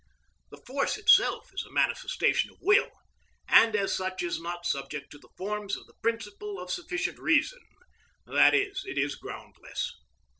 The force itself is a manifestation of will, and as such is not subject to the forms of the principle of sufficient reason, that is, it is groundless.